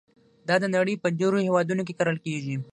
دا د نړۍ په ډېرو هېوادونو کې کرل کېږي.